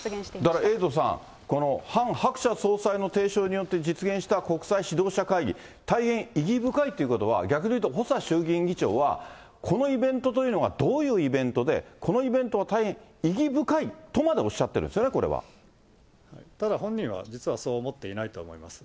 だからエイトさん、このハン・ハクチャ総裁の提唱によって実現した国際指導者会議、大変意義深いということは、逆に言うと細田衆議院議長は、このイベントというのがどういうイベントで、このイベントは大変意義深いとまでおっしゃっているんですよね、ただ本人は、実はそう思っていないと思います。